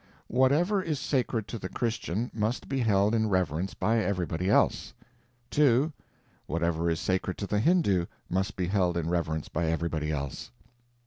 Whatever is sacred to the Christian must be held in reverence by everybody else; 2. whatever is sacred to the Hindu must be held in reverence by everybody else; 3.